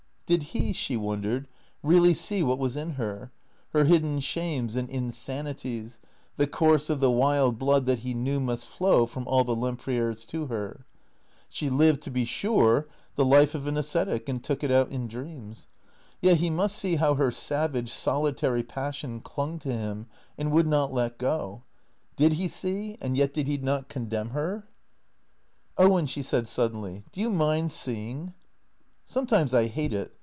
Did he, she wondered, really see what was in her, her hidden shames and insanities, the course of the wild blood that he knew must flow from all the Lemprieres to her ? She lived, to be sure, the life of an ascetic and took it out in dreams. Yet he must see how her savage, solitary passion clung to him, and would not let go. Did he see, and yet did he not condemn her? " Owen," she said suddenly, " do you mind seeing ?"" Sometimes I hate it.